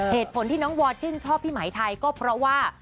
เหตุผลที่น้องวอร์ชื่นชอบพี่ไหมไทยก็เพราะว่า